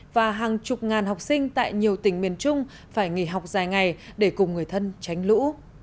và hàng chục ngàn học sinh tại nhiều tỉnh miền trung phải nghỉ học dài ngày để cùng người thân tránh lũ